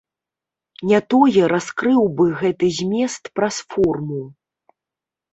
Не тое раскрыў бы гэты змест праз форму.